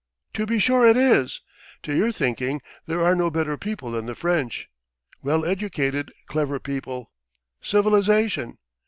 "To be sure it is! To your thinking there are no better people than the French. Well educated, clever people! Civilization!